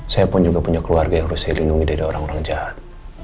saya pun juga punya keluarga yang harus saya lindungi dari orang orang jahat